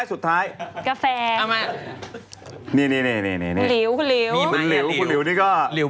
อยากเห็นหมดเลยเหรอ